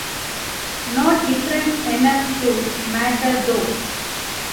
Not different enough to matter though.